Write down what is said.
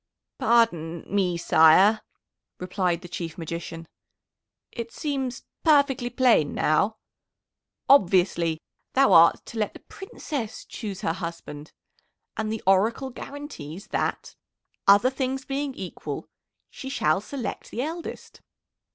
"Pardon me, sire," replied the Chief Magician; "it seems perfectly plain now. Obviously, thou art to let the Princess choose her husband, and the Oracle guarantees that, other things being equal, she shall select the eldest.